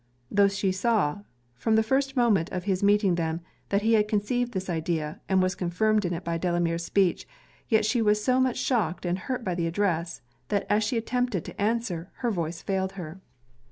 Tho' she saw, from the first moment of his meeting them, that he had conceived this idea, and was confirmed in it by Delamere's speech; yet she was so much shocked and hurt by the address, that as she attempted to answer, her voice failed her.